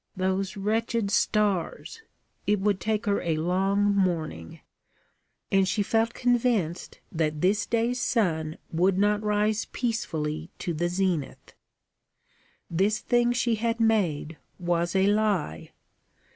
Those wretched stars! It would take her a long morning; and she felt convinced that this day's sun would not rise peacefully to the zenith. This thing she had made was a lie.